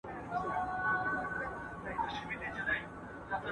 د شپو په زړه کي وینمه توپان څه به کوو؟